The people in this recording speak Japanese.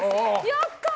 やったー！